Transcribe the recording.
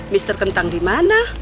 mister kentang dimana